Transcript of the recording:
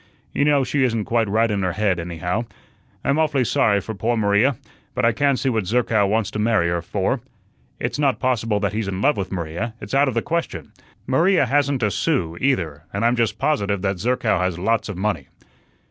You know she isn't quite right in her head, anyhow. I'm awfully sorry for poor Maria. But I can't see what Zerkow wants to marry her for. It's not possible that he's in love with Maria, it's out of the question. Maria hasn't a sou, either, and I'm just positive that Zerkow has lots of money."